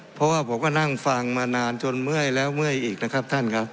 เพราะว่าผมก็นั่งฟังมานานจนเมื่อยแล้วเมื่อยอีกนะครับท่านครับ